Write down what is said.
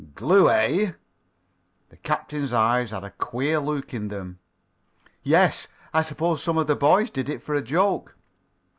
"Glue, eh?" The captain's eyes had a queer look in them. "Yes. I suppose some of the boys did it for a joke."